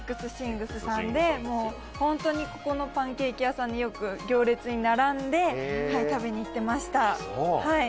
’ｎＴｈｉｎｇｓさんでホントにここのパンケーキ屋さんに行列に並んで食べに行っていました。